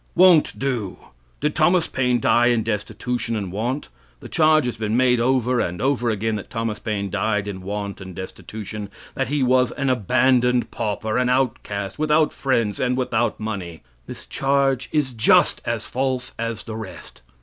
Won't do! Did Thomas Paine die in destitution and want? The charge has been made over and over again that Thomas Paine died in want and destitution; that he was an abandoned pauper an outcast, without friends and without money. This charge is just as false as the rest.